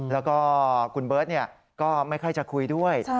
แล้วก็คุณเบิร์ตก็ไม่ค่อยจะคุยด้วย